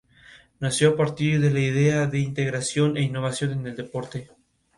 La tarjeta se puede emitir al portador: es decir, sin titular.